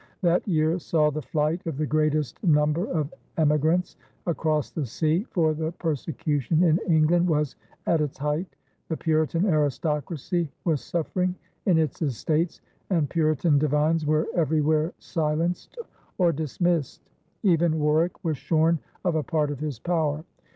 That year saw the flight of the greatest number of emigrants across the sea, for the persecution in England was at its height, the Puritan aristocracy was suffering in its estates, and Puritan divines were everywhere silenced or dismissed. Even Warwick was shorn of a part of his power.